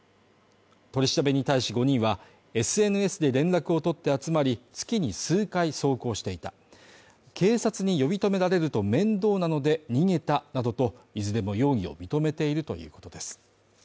取り調べに対し５人はＳＮＳで連絡を取って集まり、月に数回走行していた警察に呼び止められると面倒なので、逃げたなどといずれも容疑を認めているということです